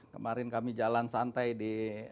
kemarin kami jalan santai di depan alam